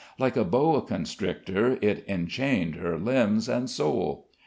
Like a boa constrictor, it enchained her limbs and soul.